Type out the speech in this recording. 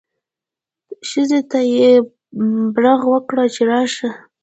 ښځې ته یې برغ وکړ چې راشه.